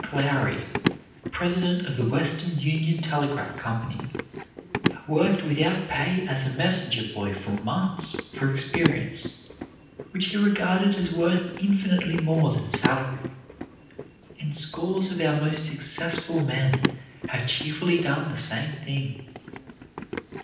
Clowry, president of the Western Union Telegraph Company, worked without pay as a messenger boy for months for experience, which he regarded as worth infinitely more than salary and scores of our most successful men have cheerfully done the same thing.